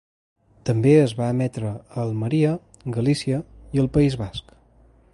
També es va emetre a Almeria, Galícia i al País Basc.